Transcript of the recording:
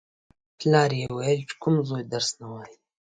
پلار یې ویل: چې کوم زوی درس نه وايي.